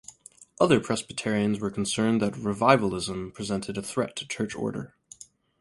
Other Presbyterians were concerned that revivalism presented a threat to church order.